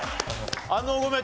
あのごめん。